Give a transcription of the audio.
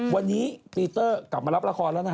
วันนี้ปีเตอร์กลับมารับละครแล้วนะ